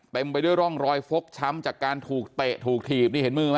เต็มไปด้วยร่องรอยฟกช้ำจากการถูกเตะถูกถีบ